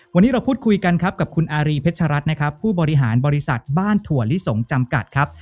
วันนี้เราพูดคุยกันครับกับคุณอารีเพชรัตน์นะครับผู้บริหารบริษัทบ้านถั่วลิสงจำกัดครับ